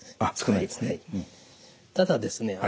ただですね